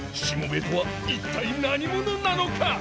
しもべえとは一体何者なのか！？